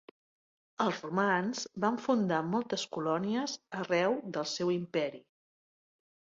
Els romans van fundar moltes colònies arreu del seu imperi.